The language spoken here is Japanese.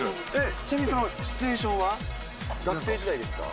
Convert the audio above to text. ちなみにそのシチュエーションは、学生時代ですか。